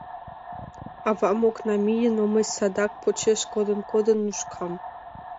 Авам ок намие, но мый садак почеш кодын-кодын нушкам.